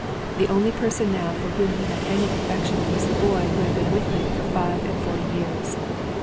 The only person now for whom he had any affec tion was the boy who had been with him for five and forty years.